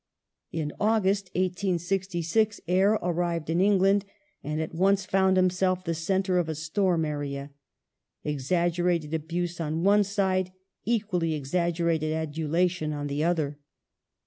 Governor In August, 1866, Eyre arrived in England, and at once found ^^ himself the centre of a storm area : exaggerated abuse on one side, equally exaggerated adulation on the other.